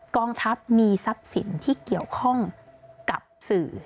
กองทัพมีทรัพย์สินที่เกี่ยวข้องกับสื่อ